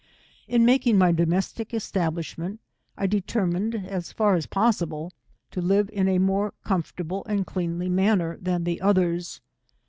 In making my domestic establishment, I deter mined, as far as possible, to live in a more com fortable and cleanly manner than the others.